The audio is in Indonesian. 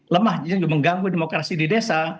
lemahnya juga mengganggu demokrasi di desa